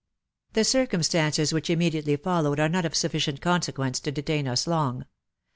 The circumstances which immediately followed are not of sufficient consequence to detain us long.